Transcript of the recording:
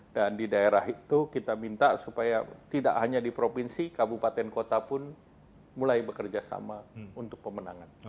dan di daerah itu kita minta supaya tidak hanya di provinsi kabupaten kota pun mulai bekerja sama untuk pemenangan